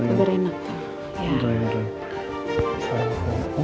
nih beri mata